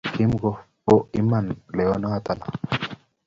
Kimuko bea imanit kilowonotok